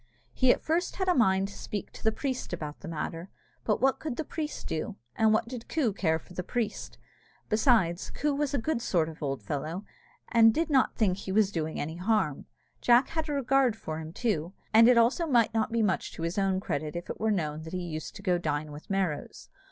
He at first had a mind to speak to the priest about the matter. But what could the priest do, and what did Coo care for the priest? Besides, Coo was a good sort of an old fellow, and did not think he was doing any harm. Jack had a regard for him, too, and it also might not be much to his own credit if it were known that he used to go dine with Merrows.